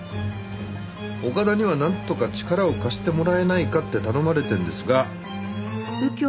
岡田にはなんとか力を貸してもらえないかって頼まれてるんですが。